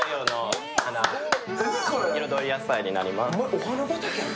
お花畑やん。